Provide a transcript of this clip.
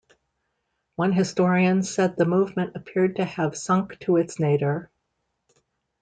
One historian said the movement appeared to have sunk to its nadir.